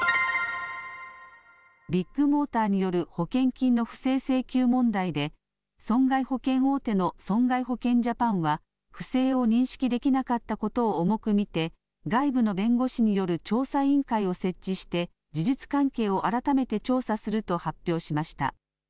ビッグモーターによる保険金の不正請求問題で損害保険大手の損害保険ジャパンは不正を認識できなかったことを重く見て外部の弁護士による調査委員会を設置して事実関係を改めて調査すると発表しました。